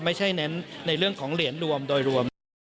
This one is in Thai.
ไม่ใช่เน้นในเรื่องของเหรียญรวมโดยรวม